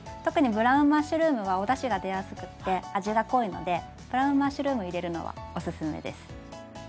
特にブラウンマッシュルームはおだしが出やすくって味が濃いのでブラウンマッシュルーム入れるのはおすすめです。